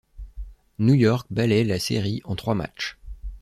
New York balaie la série en trois matchs.